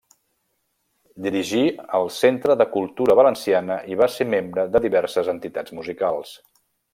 Dirigí el Centre de Cultura Valenciana i va ser membre de diverses entitats musicals.